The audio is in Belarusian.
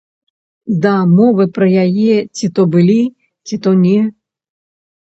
Дамовы пра яе ці то былі, ці то не.